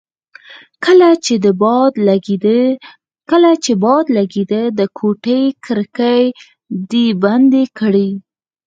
کله چې باد لګېده د کوټې کړکۍ دې بندې کړې.